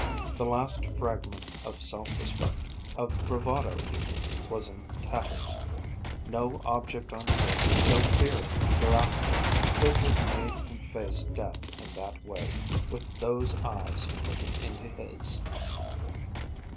The last fragment of self respect, of bravado even, was in tatters. No object on earth, no fear of hereafter, could have made him face death in that way, with those eyes looking into his.